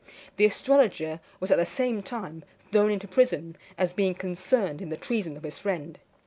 The astrologer was at the same time thrown into prison, as being concerned in the treason of his friend.